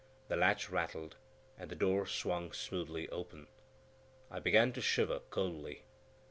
The latch rattled, and the door swung smoothly open. I began to shiver coldly.